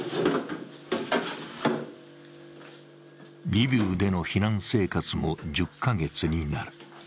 リビウでの避難生活も１０か月になる。